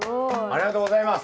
ありがとうございます。